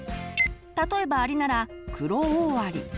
例えばアリならクロオオアリ。